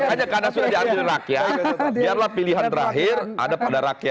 hanya karena sudah diambil rakyat biarlah pilihan terakhir ada pada rakyat